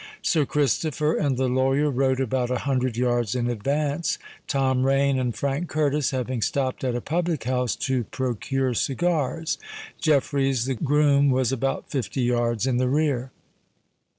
Sir Christopher and the lawyer rode about a hundred yards in advance, Tom Rain and Frank Curtis having stopped at a public house to procure cigars. Jeffreys, the groom, was about fifty yards in the rear.